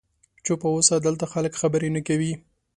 چوپ اوسه، دلته خلک خبرې نه کوي.